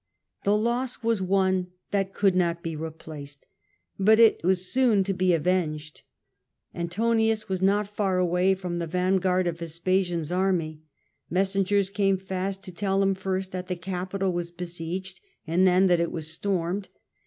The loss was one that could not be replaced, but it was soon to be avenged. Antonius was not far away with the vanguard of Vespasian^s army. Messengers came fast to tell him first that the Capitol was besieged, and then that it was stormed.